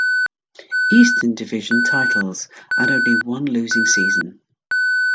Eastern Division titles and only one losing season.